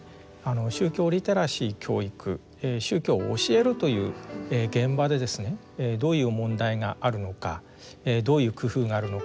宗教リテラシー教育宗教を教えるという現場でですねどういう問題があるのかどういう工夫があるのか。